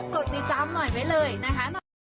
กดสิกรรมหน่อยไว้เลยนะคะ